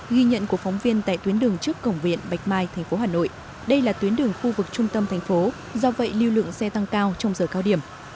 ghi nhận của phóng viên tại tuyến đường trước cổng viện bạch mai thành phố hà nội đây là tuyến đường khu vực trung tâm thành phố do vậy lưu lượng xe tăng cao trong giờ cao điểm